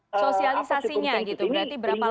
sosialisasinya gitu berarti berapa lama